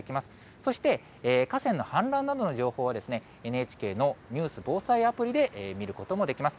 そして河川の氾濫などの情報は、ＮＨＫのニュース・防災アプリで見ることもできます。